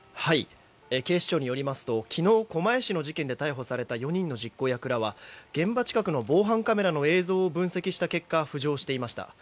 警視庁によりますと昨日、狛江市の事件で逮捕された４人の実行役らは現場近くの防犯カメラの映像を分析した結果浮上していました。